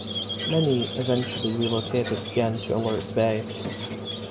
Many eventually relocated again to Alert Bay.